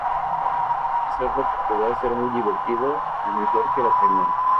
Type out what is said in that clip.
Quiero hacerlo porque va a ser muy divertido o mejor que la primera".